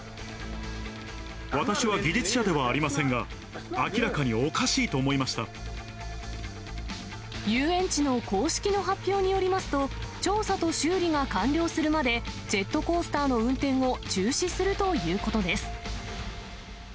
私は技術者ではありませんが、遊園地の公式の発表によりますと、調査と修理が完了するまで、ジェットコースターの運転を中止するということです。